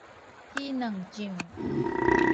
魚卵醬